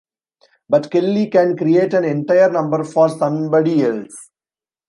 But Kelly can create an entire number for somebody else ...